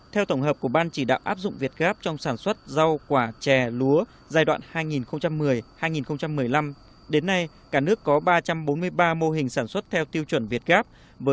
theo tổng hợp của ban chỉ đạo áp dụng việt gáp trong sản xuất rau quả chè lúa giai đoạn hai nghìn một mươi hai nghìn một mươi năm đến nay cả nước có ba trăm bốn mươi ba mô hình sản xuất theo tiêu chuẩn việt gáp